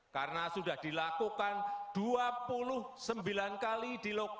karena sudah dilakukan dua puluh sembilan kali di lokasi provinsi provinsi yang berbeda dan bahkan sekali di hongkong